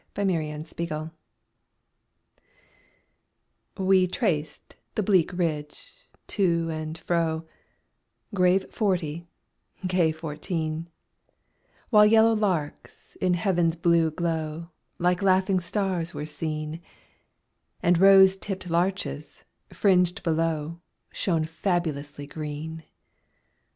22 The Train of Life We traced the bleak ridge, to and fro, Grave forty, gay fourteen ; While yellow larks, in heaven's blue glow, Like laughing stars were seen, And rose tipp'd larches, fringed below, Shone fabulously green.